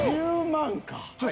１０万か。